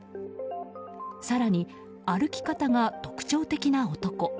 更に、歩き方が特徴的な男。